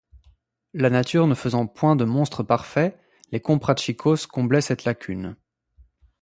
La nature ne faisant point de monstres parfaits, les comprachicos comblaient cette lacune.